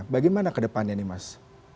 bagaimana ke depannya nih mas